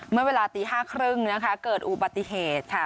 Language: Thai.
เมื่อเวลาตี๕๓๐นะคะเกิดอุบัติเหตุค่ะ